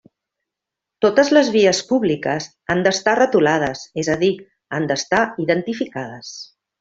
Totes les vies públiques han d'estar retolades, és a dir, han d'estar identificades.